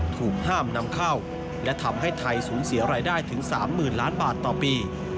ถูกห้ามนำเข้าและทำให้ไทยสูญเสียรายได้ถึง๓๐๐๐ล้านบาทต่อปี